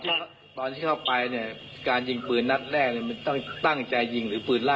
เพราะตอนที่เข้าไปเนี่ยการยิงปืนนัดแรกมันต้องตั้งใจยิงหรือปืนล่า